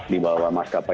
di bawah merpati